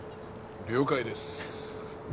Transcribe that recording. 了解です